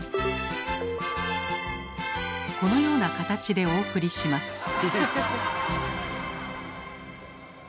このような形でお送りします。